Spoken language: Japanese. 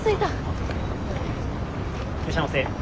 いらっしゃいませ。